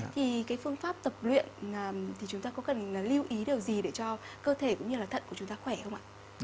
thì cái phương pháp tập luyện thì chúng ta có cần lưu ý điều gì để cho cơ thể cũng như là thận của chúng ta khỏe không ạ